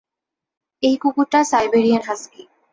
এই কুকুরটা Siberian husky.